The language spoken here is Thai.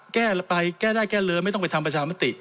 แก้ไปแก้ได้แก้เลยไม่ต้องไปทำประชามติ